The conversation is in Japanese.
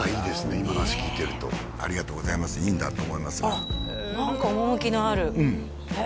今の話聞いてるとありがとうございますいいんだと思いますが何か趣のあるへえ